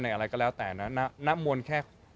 อะไรก็แล้วแต่นะณมวลแค่